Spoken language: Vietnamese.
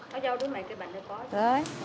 nói cháu đúng này cái bánh này có chứ